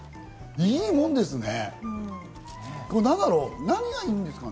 いいもんですね。